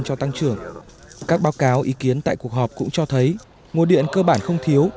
cho tăng trưởng các báo cáo ý kiến tại cuộc họp cũng cho thấy nguồn điện cơ bản không thiếu